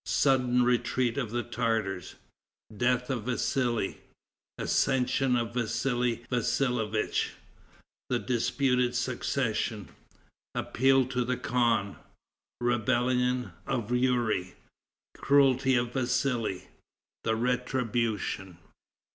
Sudden Retreat of the Tartars. Death of Vassali. Accession of Vassali Vassilievitch. The Disputed Succession. Appeal to the Khan. Rebellion of Youri. Cruelty of Vassali. The Retribution.